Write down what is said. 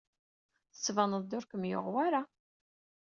Tettbaneḍ-d ur kem-yuɣ wara.